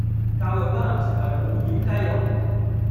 教育不能成為無掩雞籠